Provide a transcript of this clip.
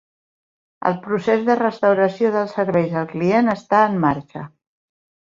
El procés de restauració dels serveis al client està en marxa.